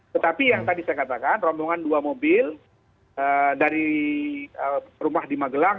tetapi yang tadi saya katakan rombongan dua mobil dari rumah di magelang